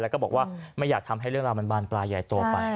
แล้วก็บอกว่าไม่อยากทำให้เรื่องราวมันบานปลายใหญ่โตไป